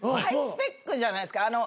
ハイスペックじゃないですか。